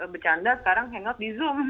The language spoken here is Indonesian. bercanda sekarang hangout di zoom